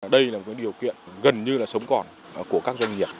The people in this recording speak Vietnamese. đây là điều kiện gần như sống còn của các doanh nghiệp